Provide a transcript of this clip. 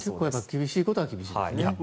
厳しいことは厳しいんですね。